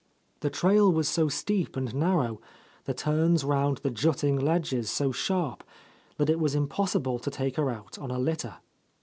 The trail was so steep and narrow, the turns" round the jutting ledges so sharp, that it was impossible to take .her out on a litter.